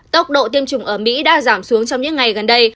tốc độ tiêm chủng ở mỹ đã giảm xuống trong những ngày gần đây